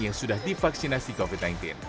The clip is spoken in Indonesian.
yang sudah divaksinasi covid sembilan belas